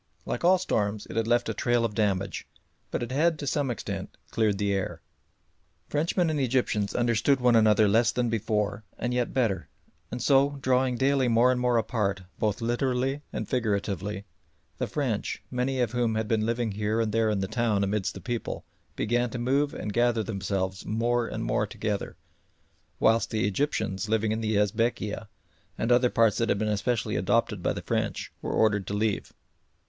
Like all storms it had left a trail of damage, but it had to some extent cleared the air. Frenchmen and Egyptians understood one another less than before and yet better; and so drawing daily more and more apart, both literally and figuratively, the French many of whom had been living here and there in the town amidst the people began to move and gather themselves more and more together, whilst the Egyptians living in the Esbekieh and other parts that had been specially adopted by the French were ordered to leave.